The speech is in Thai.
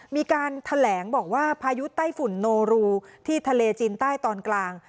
มีการแถลงบอกว่าพายุไต้ฝุ่นโนรูที่ทะเลจีนใต้ตอนกลาง